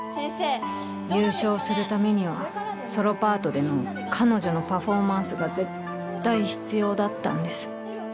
優勝するためにはソロパートでの彼女のパフォーマンスが絶対必要だったんです。